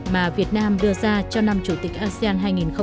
mà việt nam đưa ra cho năm chủ tịch asean hai nghìn hai mươi